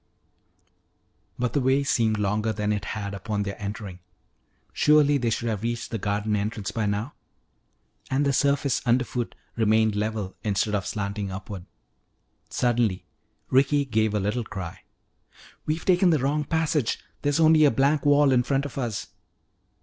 But the way seemed longer than it had upon their entering. Surely they should have reached the garden entrance by now. And the surface underfoot remained level instead of slanting upward. Suddenly Ricky gave a little cry. "We've taken the wrong passage! There's only a blank wall in front of us!"